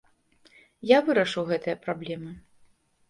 Я вырашу гэтыя праблемы.